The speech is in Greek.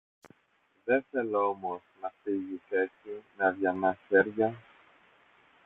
Δε θέλω όμως να φύγεις έτσι, με αδειανά χέρια.